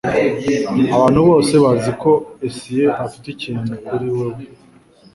Abantu bose bazi ko Jessie afite ikintu kuri wewe.